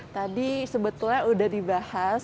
tadi sebetulnya udah dibahas